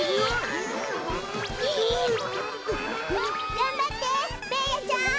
がんばってベーヤちゃん。